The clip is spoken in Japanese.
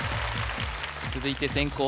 続いて先攻